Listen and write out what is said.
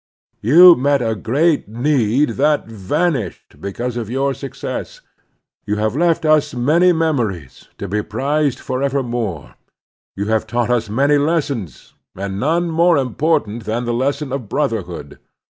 You met a great need, that vanished because of yotu' success. You have left us many mem ories, to be prized forevermore. You have taught us many lessons, and none more important than the lesson of brotherhood.